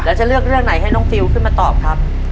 แล้วจะเลือกเรื่องไหนให้น้องฟิลขึ้นมาตอบครับ